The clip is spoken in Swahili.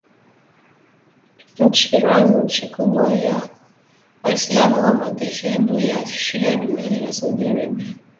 Iran nchi kubwa zaidi ya waislam wa madhehebu ya shia duniani na Saudi Arabia